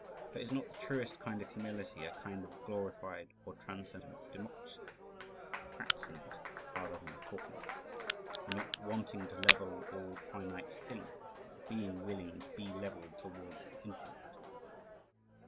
For is not the truest kind of humility a kind of glorified or transcendent democracy the practicing it rather than the talking it the not wanting to level all finite things, but the being willing to be leveled towards the infinite?